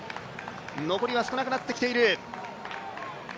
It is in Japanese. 残りは少なくなってきている。